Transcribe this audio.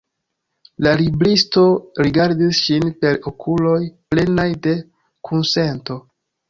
La libristo rigardis ŝin per okuloj plenaj de kunsento.